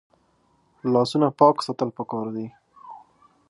لاسونه پاک ساتل پکار دي